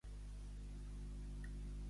Quin "backend" fas servir per Keras?